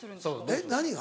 えっ何が？